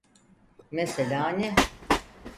Mesela ne?